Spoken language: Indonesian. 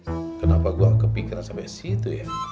hai kenapa gua kepikiran sampai situ ya